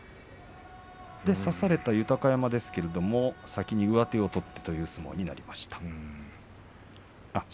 差された豊山ですが先に上手を取ったという相撲になりました。